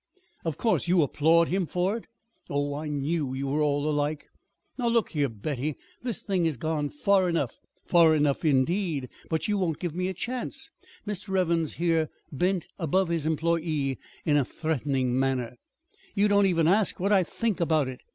_ Of course you applaud him for it. Oh, I knew you were all alike!" "Now look here, Betty, this thing has gone far enough " "Far enough, indeed!" "But you won't give me a chance!" Mr. Evans here bent above his employee in a threatening manner. "You don't even ask what I think about it.